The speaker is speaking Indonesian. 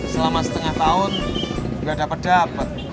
selama setengah tahun gak dapet dapet